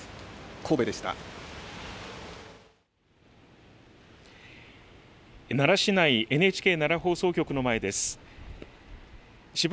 神戸でした。